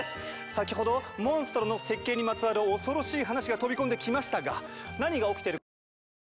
先ほどモンストロの設計にまつわる恐ろしい話が飛び込んできましたが何が起きてるか詳しくは分からないというあなた。